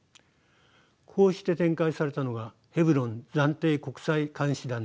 こうして展開されたのがヘブロン暫定国際監視団です。